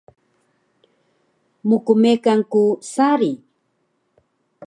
Mkmekan ku sari